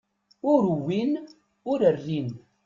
Ur wwin ur rrin.